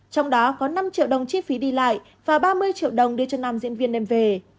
trong đó có năm triệu đồng chi phí đi lại và ba mươi triệu đồng đưa cho nam diễn viên đem về